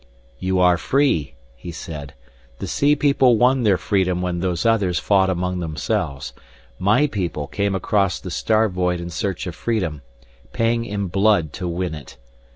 "You are free," he said. "The sea people won their freedom when Those Others fought among themselves. My people came across the star void in search of freedom, paying in blood to win it.